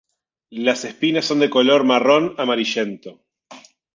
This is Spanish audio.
Las espinas son de color marrón amarillento.